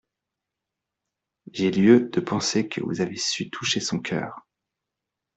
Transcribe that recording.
J'ai lieu de penser que vous avez su toucher son cœur.